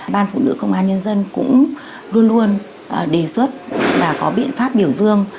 ban phụ nữ công an nhân dân cũng luôn luôn đề xuất và có biện pháp biểu dương